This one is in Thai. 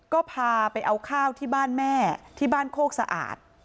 ก็พาไปเอาข้าวที่บ้านแม่ที่บ้านโคกสะอาด